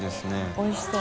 おいしそう。